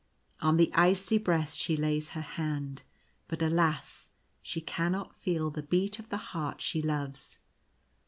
On the icy breast she lays her hand ; but alas ! she cannot feel the beat of the heart she loves.